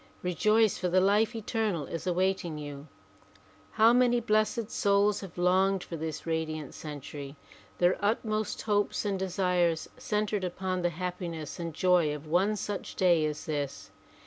Rejoice, for the life eternal is awaiting you. How many blessed souls have longed for this radiant century their utmost hopes and desires centered upon the happiness and joy of one such day as this.